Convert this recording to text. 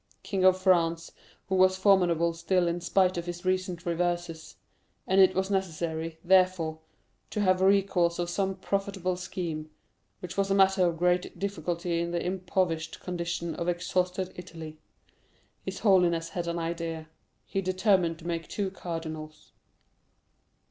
King of France, who was formidable still in spite of his recent reverses; and it was necessary, therefore, to have recourse to some profitable scheme, which was a matter of great difficulty in the impoverished condition of exhausted Italy. His holiness had an idea. He determined to make two cardinals.